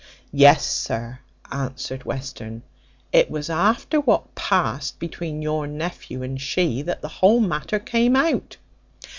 "Yes, sir," answered Western, "it was after what passed between your nephew and she that the whole matter came out.